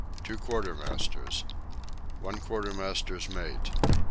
2 Quartermasters. 1 Quartermaster's Mate.